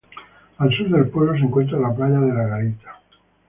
Al sur del pueblo se encuentra la playa de La Garita.